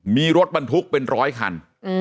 มีรถบรรทุกเป็นร้อยคัน